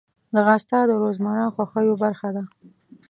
ځغاسته د روزمره خوښیو برخه ده